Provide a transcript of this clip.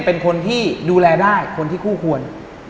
เป็นคนที่ดูแลได้คนที่คู่ควร